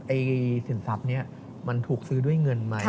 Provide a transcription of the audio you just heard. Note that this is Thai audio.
สินทรัพย์นี้มันถูกซื้อด้วยเงินไหม